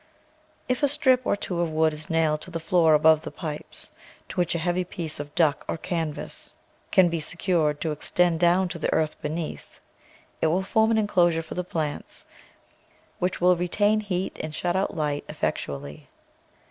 If a strip or two of wood is nailed to the floor above the pipes, to which a heavy piece of duck or canvas can be PERENNIAL VEGETABLES secured to extend down to the earth beneath, it will form an enclosure for the plants, which will re tain heat and shut out light effectually.